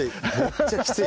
きつい。